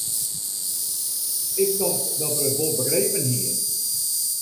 Ik tocht dat er it wol begrepen hie.